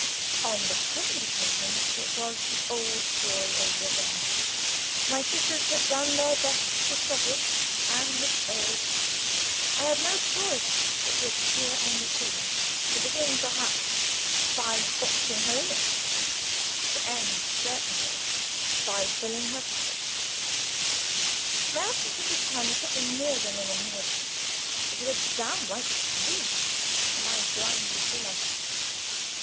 On the present occasion, it was the old story over again. My sisters had done their best to stop it, and had failed. I had no choice but to appear on the scene to begin, perhaps, by boxing her ears: to end, certainly, by filling her pockets. My absence at this time was something more than an annoyance it was a downright grief to my blind Lucilla.